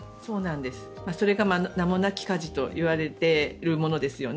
それが名もなき家事と言われているものですね。